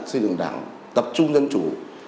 xây dựng đảng tập trung dân chủ